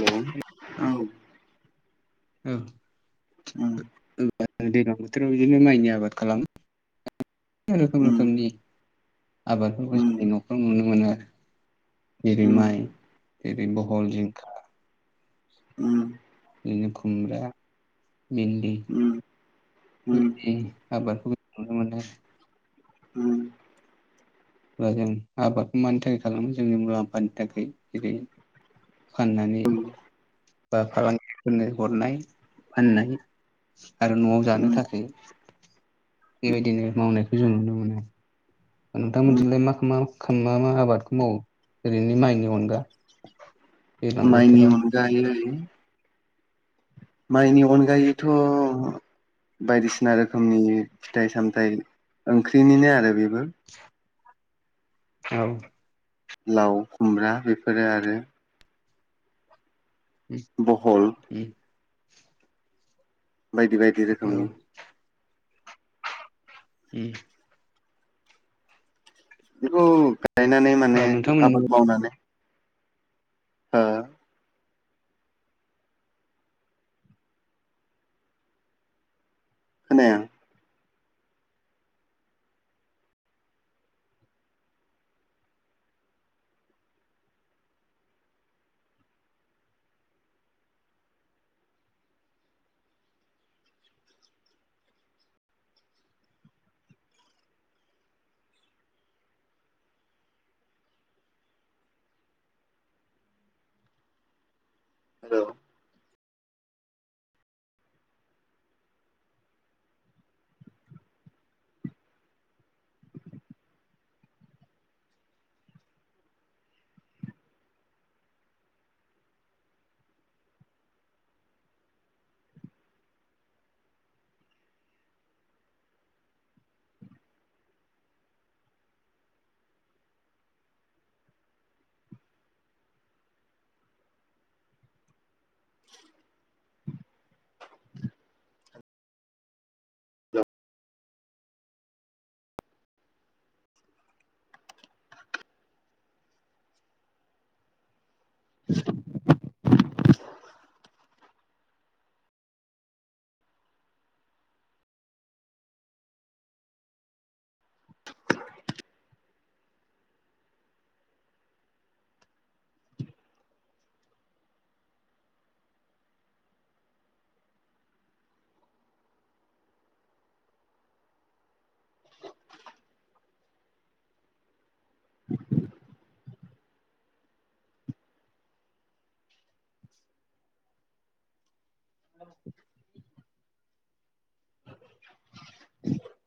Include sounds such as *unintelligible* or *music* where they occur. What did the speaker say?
हेल' औ ओ उम *unintelligible* दैज्लां बोथोराव इदिनो माइनि आबाद खालामो बायदिसिना रोखोम रोखोमनि आबादफोरखौ जोंनि नखराव नुनो मोनो आरो। जेरै माइ ओरै बहल जिंखा उम बिदिनो खुमब्रा भिन्दि बेबायदि आबादखौबो नुनो मोनो। उम अब्ला जों आबादखौ मानि थाखाय खालामो जोंनि मुलाम्फानि थाखाय जेरै फाननानै बा फालांगिफोरनो हरनाय फाननाय आरो न'वाव जानो थाखाय बेबायदिनो मावनायखौ जों नुनो मोनो। ओ नोंथां मोननिथिंलाय मा मा खा मा मा आबादखौ मावो ओरैनो माइनि अनगा दैज्लां माइनि बोथोराव अनगायै माइनि अनगायैथ' बायदिसिना रोखोमनि फिथाइ सामथाइ ओंख्रिनिनो आरो बेबो औ लाव खुमब्रा बेफोरो आरो उम बहल उम बायदि बायदि औ रोखोमनि उम बेखौ गायनानै माने ओ नोंथांमोननि आबाद मावनानै ओ खोनाया हेल' *inaudible* *inaudible* *inaudible*